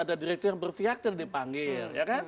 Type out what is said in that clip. ada direktur yang berpihak tidak dipanggil